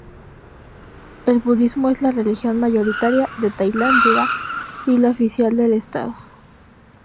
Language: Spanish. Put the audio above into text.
El budismo es la religión mayoritaria de Tailandia, y la oficial del Estado.